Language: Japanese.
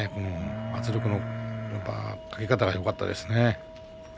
圧力のかけ方がよかったですね。